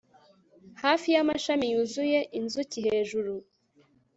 Hafi yamashami yuzuye inzuki hejuru